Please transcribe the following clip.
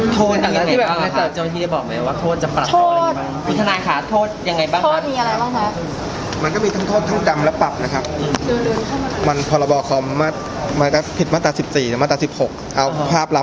โทษค่ะแล้วที่แบบว่าเจ้าหน้าที่ได้บอกไหมว่าโทษจะปรับโทษอะไรอย่างเงี้ยบ้าง